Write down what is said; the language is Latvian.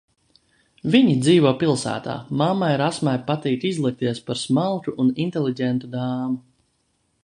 Viņi dzīvo pilsētā, mammai Rasmai patīk izlikties par smalku un inteliģentu dāmu.